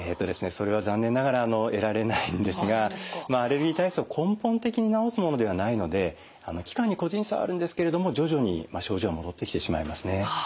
それは残念ながら得られないんですがアレルギー体質を根本的に治すものではないので期間に個人差はあるんですけれども徐々に症状は戻ってきてしまいますね。